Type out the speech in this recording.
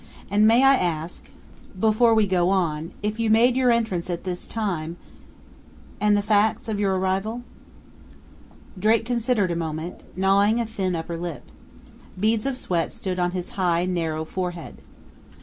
"And may I ask, before we go on, if you made your entrance at this time, and the facts of your arrival?" Drake considered a moment, gnawing a thin upper lip. Beads of sweat stood on his high, narrow forehead.